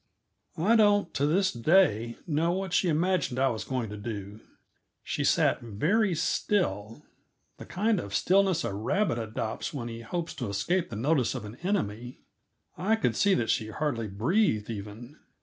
I don't, to this day, know what she imagined I was going to do. She sat very still; the kind of stillness a rabbit adopts when he hopes to escape the notice of an enemy. I could see that she hardly breathed, even.